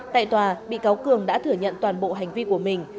tại tòa bị cáo cường đã thừa nhận toàn bộ hành vi của mình